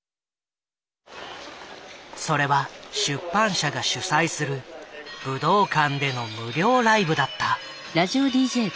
それは出版社が主催する武道館での無料ライブだった。